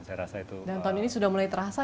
saya rasa itu dan tahun ini sudah mulai terasa